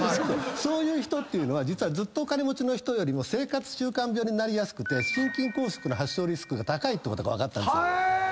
そういう人っていうのはずっとお金持ちの人よりも生活習慣病になりやすくて心筋梗塞の発症リスクが高いってことが分かったんですよ。